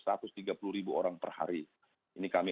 satu ratus tiga puluh ribu orang per hari ini kami